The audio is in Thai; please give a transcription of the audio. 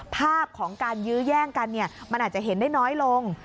ภาพของการยื้อแย่งกันมันอาจจะเห็นได้น้อยลง